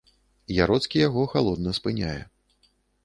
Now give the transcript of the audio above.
Яроцкі яго халодна спыняе.